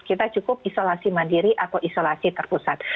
kita cukup isolasi mandiri atau isolasi terpusat